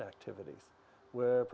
oh itu bagus